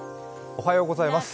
おはようございます。